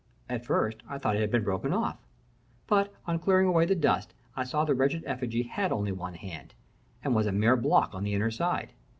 At first I thought it had been broken off, but, on clearing away the dust, I saw the wretched effigy had only one hand, and was a mere block on the inner side.